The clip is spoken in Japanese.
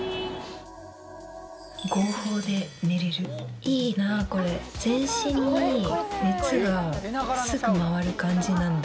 いいなこれ全身に熱がすぐ回る感じなんだ